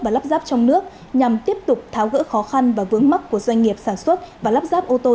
và lắp ráp trong nước nhằm tiếp tục tháo gỡ khó khăn và vướng mắc của doanh nghiệp sản xuất và lắp ráp ô tô